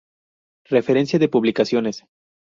Referencia de publicaciones